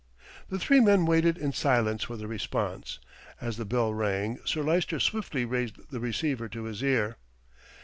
The three men waited in silence for the response. As the bell rang, Sir Lyster swiftly raised the receiver to his ear.